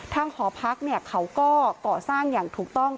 หอพักเขาก็ก่อสร้างอย่างถูกต้อง